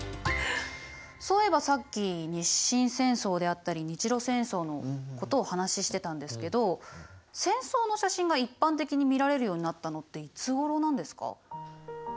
そういえばさっき日清戦争であったり日露戦争のことを話してたんですけど戦争の写真が一般的に見られるようになったのっていつごろなんですか？